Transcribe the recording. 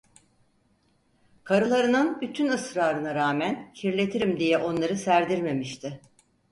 Karılarının bütün ısrarına rağmen, kirletirim diye onları serdirmemişti.